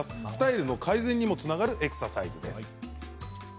スタイルの改善にもつながるエクササイズです。